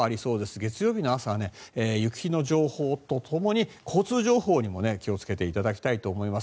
月曜日の朝、雪の情報とともに交通情報にも気をつけていただきたいと思います。